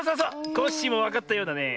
コッシーもわかったようだねえ。